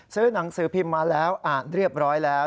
ซื้อหนังสือพิมพ์มาแล้วอ่านเรียบร้อยแล้ว